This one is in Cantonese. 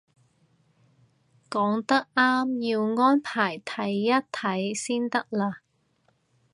講得啱，要安排睇一睇先得嘞